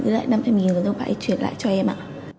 năm mươi rồi rồi bạn ấy chuyển lại cho em ạ